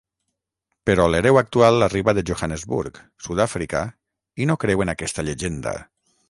Però l'hereu actual arriba de Johannesburg, Sud-àfrica i no creu en aquesta llegenda.